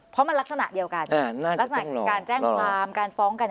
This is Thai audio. เพราะมันลักษณะเดียวกันลักษณะของการแจ้งความการฟ้องกัน